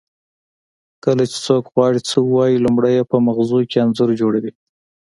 کله چې څوک غواړي څه ووایي لومړی یې په مغزو کې انځور جوړیږي